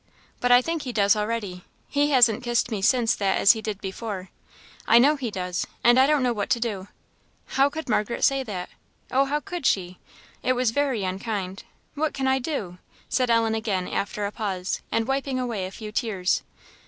"But I think he does already; he hasn't kissed me since that as he did before; I know he does, and I don't know what to do. How could Margaret say that! oh, how could she! it was very unkind. What can I do?" said Ellen, again, after a pause, and wiping away a few tears.